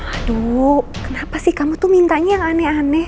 aduh kenapa sih kamu tuh mintanya yang aneh aneh